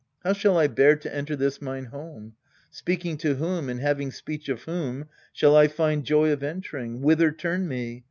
How shall I bear to enter this mine home ? Speaking to whom, and having speech of whom, Shall I find joy of entering ? whither turn me